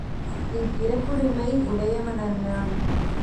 நீ பிறப்புரிமை உடையவனல்லன்!